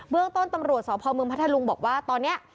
เรื่องต้นตำรวจสพมพัทธลุงบอกว่าตอนนี้